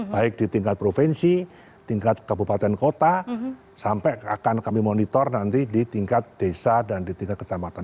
baik di tingkat provinsi tingkat kabupaten kota sampai akan kami monitor nanti di tingkat desa dan di tingkat kecamatan